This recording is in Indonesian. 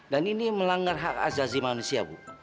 dan ini melanggar hak ajazi manusia bu